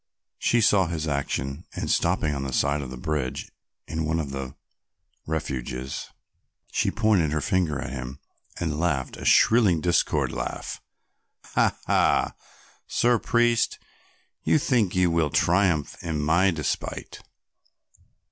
She saw his action, and stopping on the side of the bridge in one of the refuges, she pointed her finger at him and laughed a shrill discordant laugh. "Ha, ha, Sir Priest, you think you will triumph in my despite.